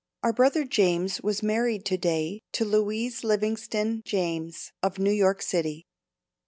Our brother James was married to day to Louise Livingston James of New York City.